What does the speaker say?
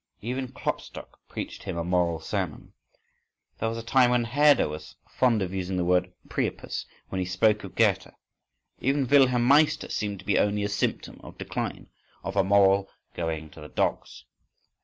Even Klopstock preached him a moral sermon; there was a time when Herder was fond of using the word "Priapus" when he spoke of Goethe. Even "Wilhelm Meister" seemed to be only a symptom of decline, of a moral "going to the dogs".